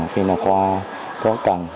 khi mà kho có cần